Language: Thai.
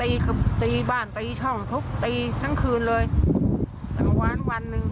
ตีบ้านตีช่องทุบตีทั้งคืนเลยทั้งวันวันหนึ่ง